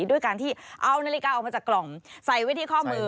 ด้วยการที่เอานาฬิกาออกมาจากกล่องใส่ไว้ที่ข้อมือ